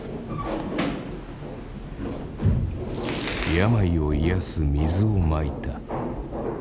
病を癒やす水をまいた。